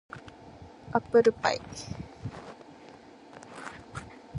アップルパイ